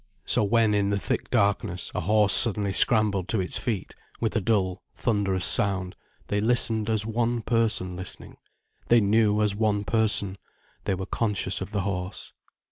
So when in the thick darkness a horse suddenly scrambled to its feet, with a dull, thunderous sound, they listened as one person listening, they knew as one person, they were conscious of the horse.